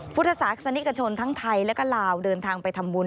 พุทธศาสนิกชนทั้งไทยและก็ลาวเดินทางไปทำบุญ